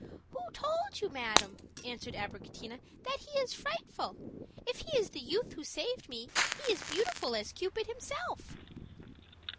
"Who told you, madam," answered Abricotina, "that he is frightful? If he is the youth who saved me, he is beautiful as Cupid himself."